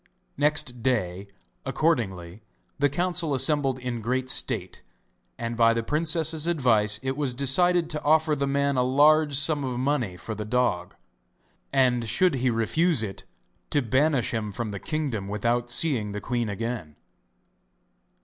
Next day, accordingly, the council assembled in great state, and by the princess's advice it was decided to offer the man a large sum of money for the dog, and should he refuse it, to banish him from the kingdom without seeing the queen again.